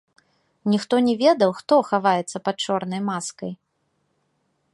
Ніхто не ведаў, хто хаваецца пад чорнай маскай.